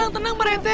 tenang pak rete